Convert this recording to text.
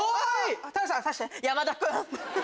山田君。